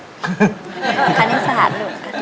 คณิตศาสตร์ลูกคณิตศาสตร์